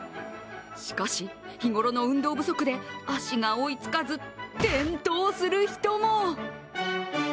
しかし、日頃の運動不足で足が追いつかず転倒する人も。